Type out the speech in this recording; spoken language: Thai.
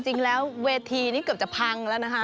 จริงแล้วเวทีนี้เกือบจะพังแล้วนะคะ